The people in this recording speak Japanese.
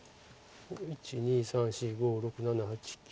１２３４５６７８９。